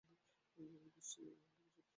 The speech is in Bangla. এই দেশটি আমেরিকার সাথেও ভালো সম্পর্ক বজায় রাখে।